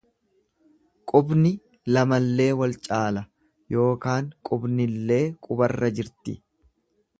Qubni lamallee wal caala yookaan qubnillee qubarra jirti.